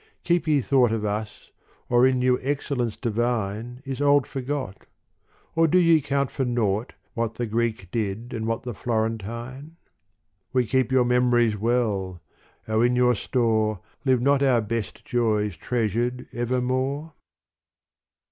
keep ye thought Of us, or in new excellence divine Is old forgot : or do ye count for naught What the Greek did and what the Florentine ? We keep your memories well : O in your store Live not our best joys treasured evermore